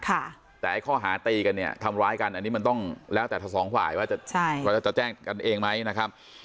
แต่ไอ้ข้อหาตีกันเนี่ยทำร้ายกันอันนี้มันต้องแล้วแต่ทั้งสองฝ่ายว่าจะใช่ว่าจะแจ้งกันเองไหมนะครับ